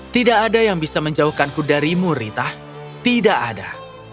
tidak ada yang bisa menjauhkanku darimu rita tidak ada